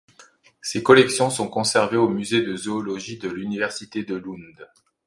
Ses collections sont conservées au Musée de zoologie de l’université de Lund.